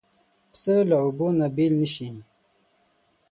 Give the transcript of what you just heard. پسه له اوبو نه بېل نه شي.